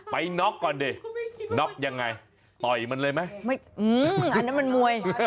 ไปน็อกก่อนดิอยากถ่อยมาเลยมั๊อันนั้นมันมวย